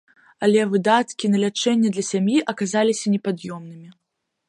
Але выдаткі на лячэнне для сям'і аказаліся непад'ёмнымі.